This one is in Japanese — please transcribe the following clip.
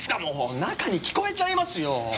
中に聞こえちゃいますよ。